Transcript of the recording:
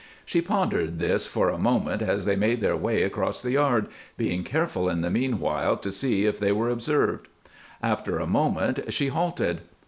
She pondered this for a moment as they made their way across the yard, being careful in the mean while to see if they were observed. After a moment she halted.